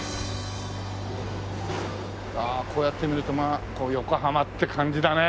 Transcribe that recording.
ああこうやって見るとまあ横浜って感じだね。